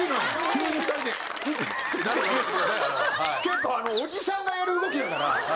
急に２人で「ん！」。結構おじさんがやる動きだから。